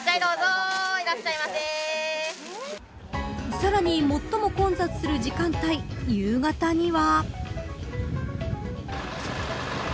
さらに最も混雑する時間帯、夕方には。